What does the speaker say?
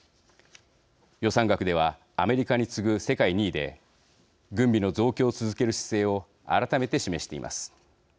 予算額ではアメリカに次ぐ世界２位で軍備の増強を続ける姿勢を改めて示しています。